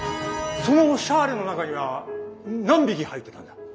そのシャーレの中には何匹入ってたんだ？